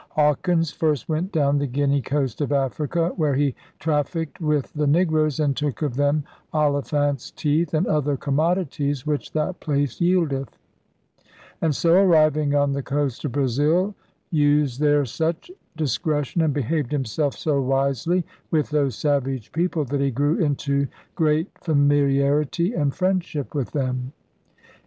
Hawkins first went down the Guinea Coast of Africa, 'where he trafiqued with the Negroes, and tooke of them Oliphants' teeth, and other commodities which that place yeeldeth; and so arriving on the coast of Brasil, used there such discretion, and behaved himselfe so wisely with those savage people, that he grew into great familiaritie and friendship with them.